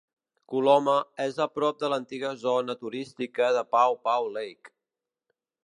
Coloma és a prop de l'antiga zona turística del Paw Paw Lake.